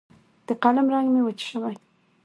د قلم رنګ مې وچ شوی